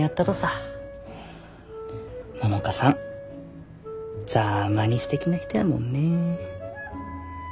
百花さんざぁまにすてきな人やもんね。